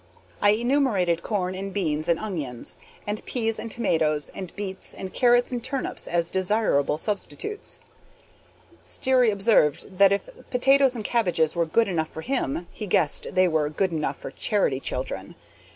I enumerated corn and beans and onions and peas and tomatoes and beets and carrots and turnips as desirable substitutes. Sterry observed that if potatoes and cabbages was good enough for him, he guessed they was good enough for charity children.